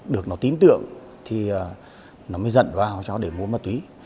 được nó tím tượng thì nó mới dẫn vào cho để mua ma túy